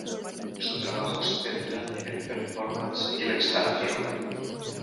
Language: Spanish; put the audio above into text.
Su trabajo se centra en el performance y la Instalación.